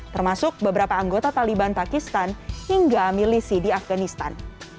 termasuk beberapa anggota taliban pakistan hingga milisi di afganistan